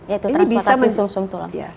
yaitu transportasi sum sum tulang